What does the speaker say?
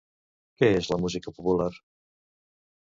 Què és la música popular?